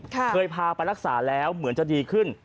เคยพาไปรักษาแล้วเหมือนจะดีขึ้น